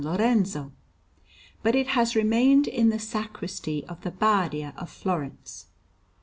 Lorenzo; but it has remained in the Sacristy of the Badia of Florence.